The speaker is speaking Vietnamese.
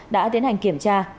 đã tiến hành kiểm tra